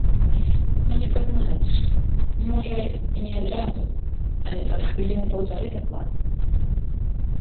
Мяне пазнаюць, можа, і не адразу, але праз хвіліны паўтары дакладна.